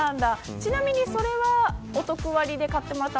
ちなみにそれはおトク割で買ってもらった。